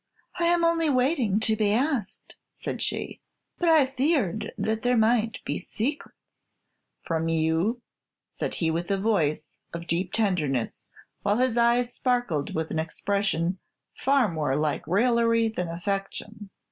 "I am only waiting to be asked," said she; "but I feared that there might be secrets " "From you?" said he, with a voice of deep tenderness, while his eyes sparkled with an expression far more like raillery than affection.